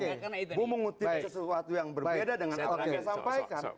saya mau mengutip sesuatu yang berbeda dengan apa yang disampaikan